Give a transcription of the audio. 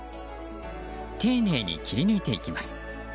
丁寧に切り抜いていきます。